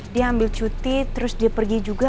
dia ambil cuti terus dia pergi juga